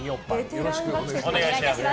よろしくお願いします。